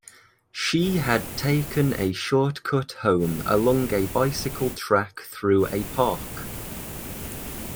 She had taken a short cut home along a bicycle track through a park.